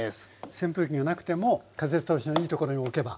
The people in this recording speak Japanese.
扇風機がなくても風通しのいいところに置けば。